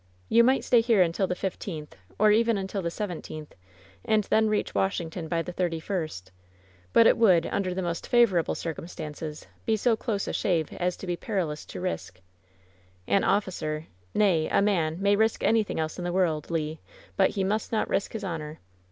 "You might stay here until the fifteenth, or even until the seventeendi, and then reach Washington by tlie thirty first; but it would, under the most favorable cir cumstances, be so close a shave as to be perilous to risL An officer, nay, a man, may risk anything else in the world, Le, but he must not risk his honor.